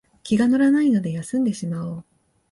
気が乗らないので休んでしまおう